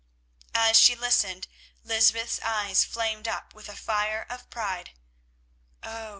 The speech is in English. As she listened Lysbeth's eyes flamed up with a fire of pride. "Oh!